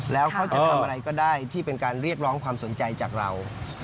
แล้วเขาจะทำอะไรก็ได้ที่เป็นการเรียกร้องความสนใจจากเรา